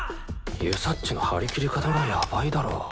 遊佐っちの張り切り方がヤバいだろ。